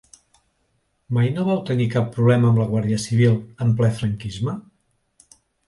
Mai no vau tenir cap problema amb la guàrdia civil, en ple franquisme?